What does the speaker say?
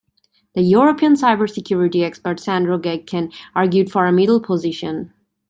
The European cybersecurity expert Sandro Gaycken argued for a middle position.